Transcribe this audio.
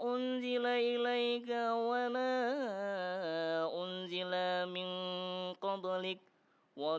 hari biasa saja buat survival pakai kipas